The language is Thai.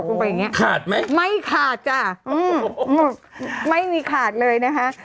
ขาดไหมไม่ขาดจ้ะอืมไม่มีขาดเลยนะคะ